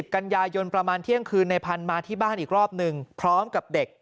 กันยายนประมาณเที่ยงคืนในพันธุ์มาที่บ้านอีกรอบหนึ่งพร้อมกับเด็ก